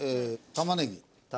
玉ねぎ。